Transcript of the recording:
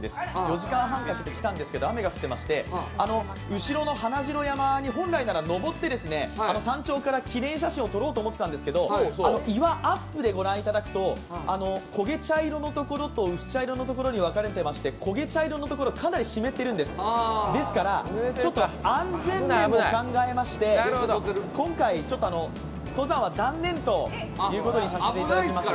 ４時間半かけてやってきたんですけど、雨が降ってまして、後ろの華城山に本来なら登って、山頂からきれい写真を撮ろうと思ってたんですけど岩、アップでご覧いただくと、焦げ茶色のところと薄茶色のところに分かれていまして、焦げ茶色の部分はかなり湿ってるんです、ですから、安全面も考えまして、今回、登山は断念ということにさせていただきます。